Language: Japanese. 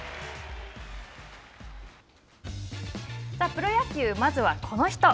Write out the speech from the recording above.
プロ野球まずはこの人。